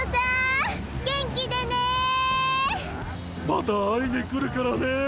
また会いに来るからね！